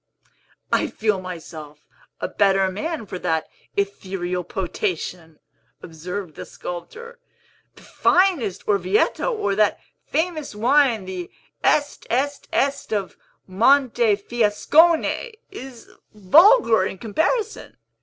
"I feel myself a better man for that ethereal potation," observed the sculptor. "The finest Orvieto, or that famous wine, the Est Est Est of Montefiascone, is vulgar in comparison.